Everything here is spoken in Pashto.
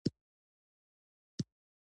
پوځي مرستي ورسیږي.